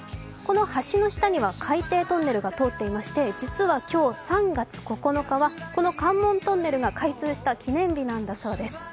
この橋の下には海底トンネルが通っていまして、実は今日３月９日は関門海峡が通った記念日なんです。